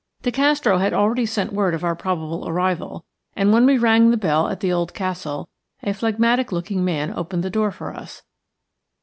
De Castro had already sent word of our probable arrival, and when we rang the bell at the old castle a phlegmatic looking man opened the door for us.